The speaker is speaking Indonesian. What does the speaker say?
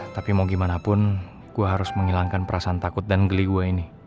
tapi mau gimana pun gue harus menghilangkan perasaan takut dan geli gue ini